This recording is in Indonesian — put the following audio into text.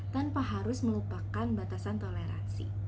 tanpa harus melupakan batasan toleransi